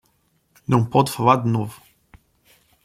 Não pode falar de novo